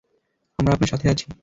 আমরা আপনার সাথে আছি!